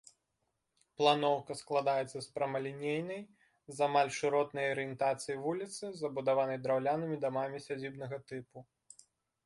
Планоўка складаецца з прамалінейнай, з амаль шыротнай арыентацыі вуліцы, забудаванай драўлянымі дамамі сядзібнага тыпу.